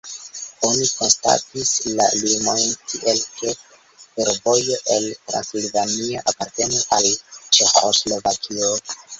Oni konstatis la limojn tiel, ke fervojo el Transilvanio apartenu al Ĉeĥoslovakio.